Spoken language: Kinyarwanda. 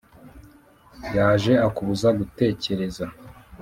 yaje akubuza gutekereza